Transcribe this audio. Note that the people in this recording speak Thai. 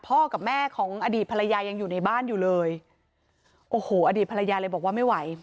กับแม่ของอดีตภรรยายังอยู่ในบ้านอยู่เลยโอ้โหอดีตภรรยาเลยบอกว่าไม่ไหว